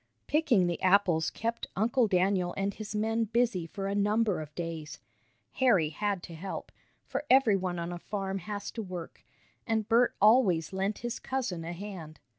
Picking the apples kept Uncle Daniel and his men busy for a number of days. Harry had to help, for everyone on a farm has to work, and Bert always lent his cousin a hand.